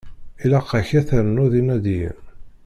Ilaq-ak ad ternuḍ inadiyen.